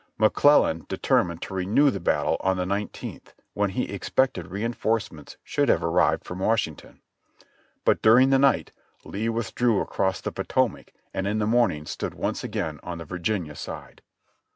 McClellan determined to renew the battle on the nine teenth, when he expected reinforcements should have arrived from Washington. But during the night Lee withdrew across the Potomac and in the morning stood once again on the Vir ginia side.